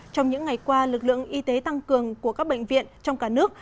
trong những ngày qua lực lượng y tế tăng cường của các bệnh viện trong cả nước